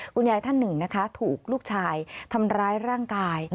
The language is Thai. คุณยายท่านหนึ่งนะคะถูกลูกชายทำร้ายร่างกาย